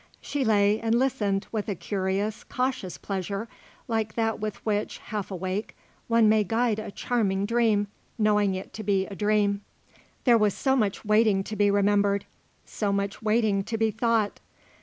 She lay and listened with a curious, cautious pleasure, like that with which, half awake, one may guide a charming dream, knowing it to be a dream. There was so much waiting to be remembered; so much waiting to be thought.